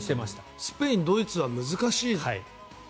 スペイン、ドイツは難しいって。